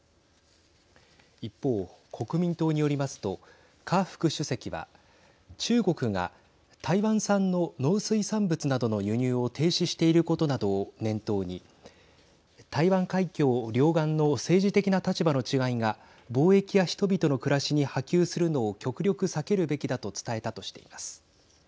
一方、国民党によりますと夏副主席は中国が台湾産の農水産物などの輸入を停止していることなどを念頭に台湾海峡両岸の政治的な立場の違いが貿易や人々の暮らしに波及するのを極力避けるべきだと伝えたとしています。